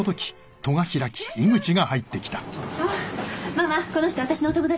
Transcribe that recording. ママこの人私のお友達。